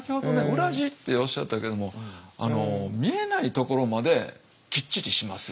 裏地っておっしゃったけども見えないところまできっちりしますよね。